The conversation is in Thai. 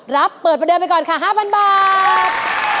รับเปิดประเดิมไปก่อนค่ะ๕๐๐บาท